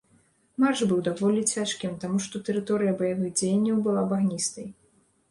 Марш быў даволі цяжкім, таму што тэрыторыя баявых дзеянняў была багністай.